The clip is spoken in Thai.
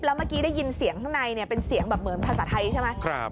แล้วเมื่อกี้ได้ยินเสียงข้างในเป็นเสียงแบบเหมือนภาษาไทยใช่ไหม